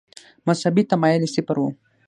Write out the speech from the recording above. مذهبي تمایل یې صفر و.